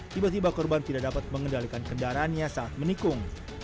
tiba tiba korban tidak dapat mengendalikan kendaraannya saat menikung